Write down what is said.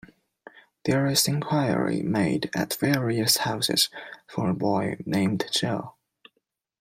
There is inquiry made at various houses for a boy named Jo.